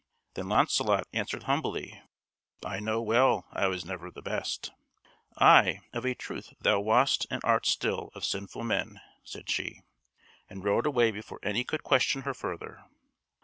Then Launcelot answered humbly: "I know well I was never the best." "Ay, of a truth thou wast and art still, of sinful men," said she, and rode away before any could question her further.